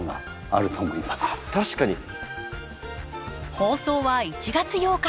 放送は１月８日。